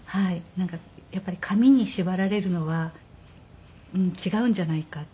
なんかやっぱり紙に縛られるのは違うんじゃないかっていう。